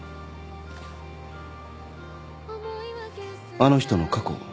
あの人の過去を？